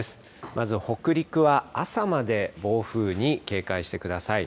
まず北陸は朝まで暴風に警戒してください。